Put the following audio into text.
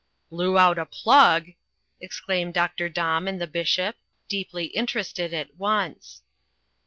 "Blew out a plug!" exclaimed Dr. Domb and the Bishop, deeply interested at once.